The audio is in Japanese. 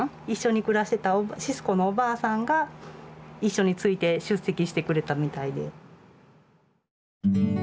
一緒に暮らしてたシスコのおばあさんが一緒について出席してくれたみたいで。